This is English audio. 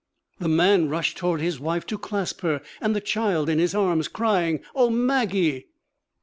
The man rushed toward his wife to clasp her and the child in his arms, crying, 'O Maggie!'